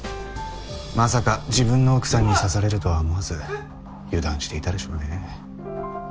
まさか自分の奥さんに剌されるとは思わず油断していたでしょうね。